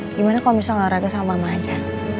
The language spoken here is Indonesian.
gimana kalau bisa olahraga sama mama aja